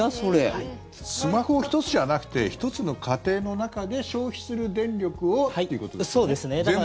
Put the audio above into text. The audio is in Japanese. スマホ１つじゃなくて１つの家庭の中で消費する電力をということですよね。